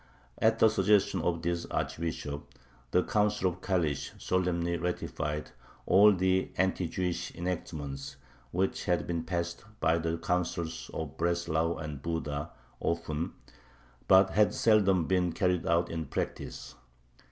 At the suggestion of this Archbishop, the Council of Kalish solemnly ratified all the anti Jewish enactments which had been passed by the Councils of Breslau and Buda (Ofen), but had seldom been carried out in practice.